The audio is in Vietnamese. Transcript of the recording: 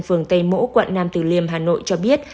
phường tây mỗ quận nam từ liêm hà nội cho biết